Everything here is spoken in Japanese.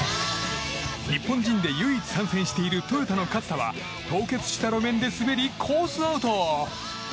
日本人で唯一参戦しているトヨタの勝田は凍結した路面で滑りコースアウト。